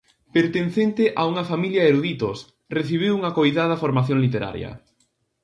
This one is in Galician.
Pertencente a unha familia de eruditos, recibiu unha coidada formación literaria.